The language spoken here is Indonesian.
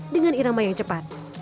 dengan irama yang cepat